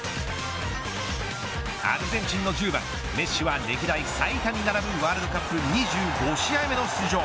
アルゼンチンの１０番メッシは歴代最多に並ぶワールドカップ２５試合目の出場。